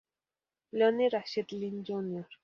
Lonnie Rashid Lynn Jr.